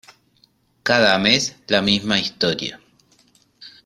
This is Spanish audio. Cada mes, la misma historia.